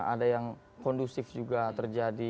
ada yang kondusif juga terjadi